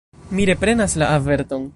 Mi reprenas la averton.